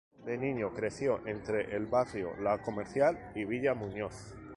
De niño creció entre el barrio La Comercial y Villa Muñoz.